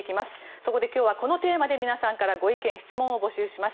そこで今日はこのテーマで皆さんからご意見・質問を募集します。